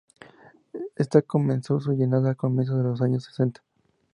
Está comenzó su llenado a comienzos de los años setenta.